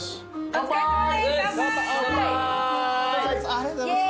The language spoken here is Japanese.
ありがとうございます。